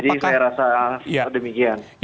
jadi saya rasa demikian